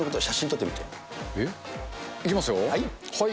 えっ？いきますよ。